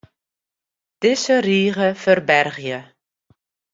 Dizze rige ferbergje.